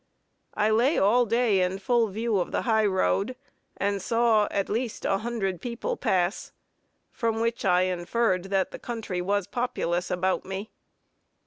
I lay all day in full view of the high road, and saw, at least, a hundred people pass; from which I inferred, that the country was populous about me.